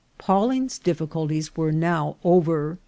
Pawling's difficulties were now over.